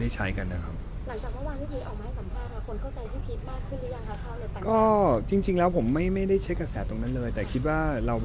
แต่ที่เรายังไม่ได้ใช้กันนะครับ